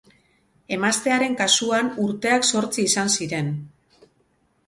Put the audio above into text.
Emaztearen kasuan urteak zortzi izan ziren.